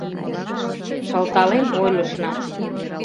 Шылтален ойлышна.